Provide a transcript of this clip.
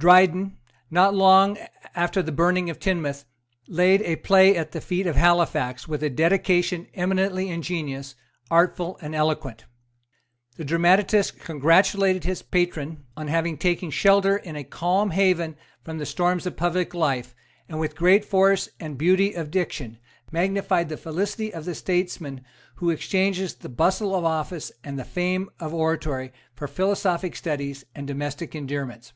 Dryden, not long after the burning of Teignmouth, laid a play at the feet of Halifax, with a dedication eminently ingenious, artful, and eloquent. The dramatist congratulated his patron on having taken shelter in a calm haven from the storms of public life, and, with great force and beauty of diction, magnified the felicity of the statesman who exchanges the bustle of office and the fame of oratory for philosophic studies and domestic endearments.